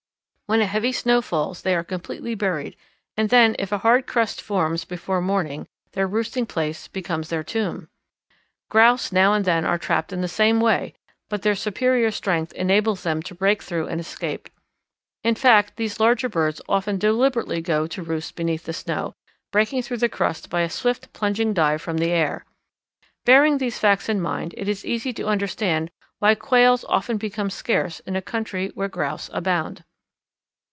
When a heavy snow falls they are completely buried, and then if a hard crust forms before morning their roosting place becomes their tomb. Grouse now and then are trapped in the same way, but their superior strength enables them to break through and escape. In fact, these larger birds often deliberately go to roost beneath the snow, breaking through the crust by a swift plunging dive from the air. Bearing these facts in mind it is easy to understand why Quails often become scarce in a country where Grouse abound.